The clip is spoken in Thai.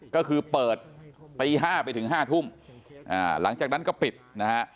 ก็คือเปิดตี๕ไปถึง๕ทุ่มหลังจากนั้นก็ปิดนะฮะ